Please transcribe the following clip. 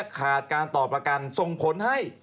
ขาดการต่อประกันส่งผลให้